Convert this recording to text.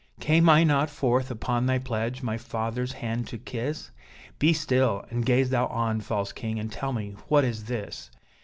"Came I not forth upon thy pledge, my father's hand to kiss? Be still, and gaze thou on, false king! and tell me what is this!